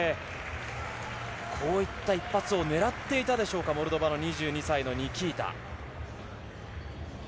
こういった一発を狙っていたでしょうか、コルドバの２２歳、ニキータ。